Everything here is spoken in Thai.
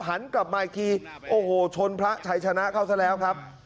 หันกลับมาอีกทีโอ้โหชนพระชัยชนะเข้าซะแล้วครับ